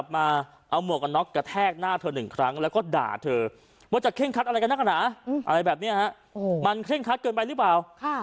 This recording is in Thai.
มันเคร่งคัดเกินไปหรือเปล่า